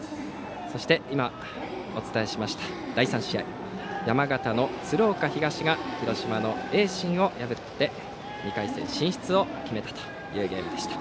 そして今お伝えしました第３試合、山形・鶴岡東が広島・盈進を破って２回戦進出を決めました。